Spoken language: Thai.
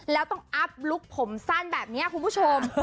แล้วต้องอัพลุคผมสั้นแบบนี้คุณผู้ชม